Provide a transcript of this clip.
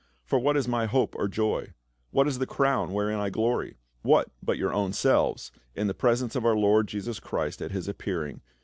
For what is my hope or joy ? What is the crown wherein I glory ? What but your ownselves, in the presence of our Lord Jesus Christ at his appearing.